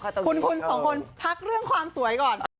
คุณสองคนพักเรื่องความสวยก่อน